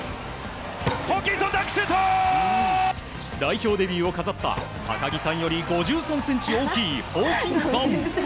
代表デビューを飾った高木さんより５３ｃｍ大きいホーキンソン。